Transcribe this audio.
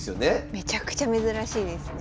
めちゃくちゃ珍しいですね。